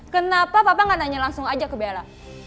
kenapa papa nggak nanya langsung aja ke bella